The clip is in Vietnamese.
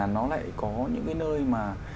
nó lại có những cái nơi mà